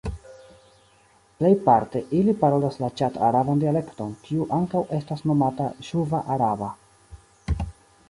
Plejparte ili parolas la ĉad-araban dialekton, kiu ankaŭ estas nomata "ŝuva-araba".